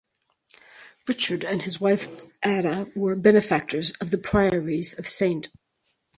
Richard and his wife Ada were benefactors of the priories of St.